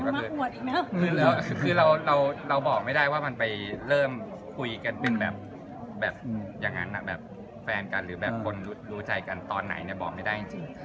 ก็คือเราบอกไม่ได้ว่ามันไปเริ่มคุยกันเป็นแบบอย่างนั้นแบบแฟนกันหรือแบบคนรู้ใจกันตอนไหนเนี่ยบอกไม่ได้จริง